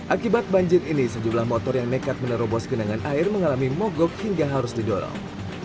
akibat banjir ini sejumlah motor yang nekat menerobos genangan air mengalami mogok hingga harus didorong